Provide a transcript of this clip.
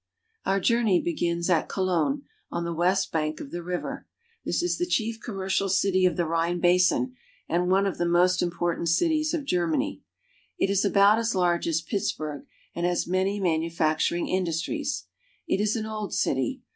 Our journey begins at Cologne (co Ion '), on the west bank of the river. This is the chief commercial city of the Rhine basin, and one of the most important cities of Ger many. It is about as large as Pittsburg, and has many manufacturing industries. It is an old city.